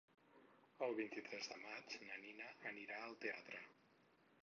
El vint-i-tres de maig na Nina anirà al teatre.